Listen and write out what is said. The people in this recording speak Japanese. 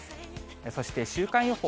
そして週間予報。